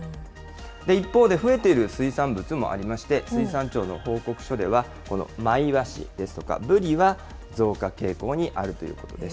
一方で、増えている水産物もありまして、水産庁の報告書では、このマイワシですとか、ブリは増加傾向にあるということです。